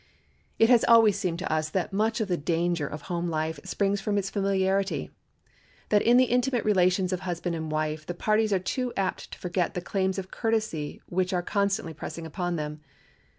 It has always seemed to us that much of the danger of home life springs from its familiarity; that in the intimate relations of husband and wife the parties are too apt to forget the claims of courtesy which are constantly pressing upon them.